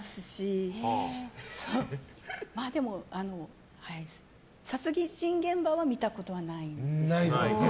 でも、殺人現場は見たことはないですね。